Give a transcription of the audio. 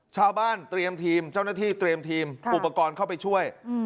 ชาวบ้านเตรียมทีมเจ้าหน้าที่เตรียมทีมอุปกรณ์เข้าไปช่วย